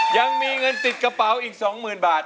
ยังมีเงินติดกระเป๋าอีก๒๐๐๐บาท